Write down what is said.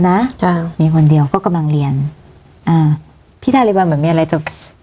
นะจ้ะมีคนเดียวก็กำลังเรียนอ่าพี่ทาริวัลเหมือนมีอะไรจะ